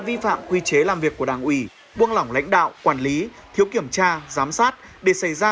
vi phạm quy chế làm việc của đảng ủy buông lỏng lãnh đạo quản lý thiếu kiểm tra giám sát để xảy ra